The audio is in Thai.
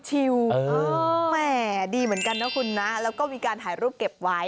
แหม่ดีเหมือนกันนะคุณนะแล้วก็มีการถ่ายรูปเก็บไว้